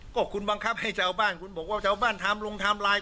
ก็คุณบังคับให้ชาวบ้านคุณบอกว่าชาวบ้านทำลงไทม์ไลน์